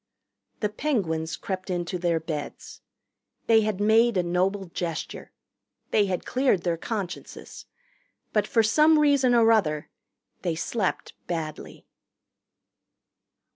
The Penguins crept into their beds. They had made a noble gesture. They had cleared their consciences. But for some reason or other they slept badly.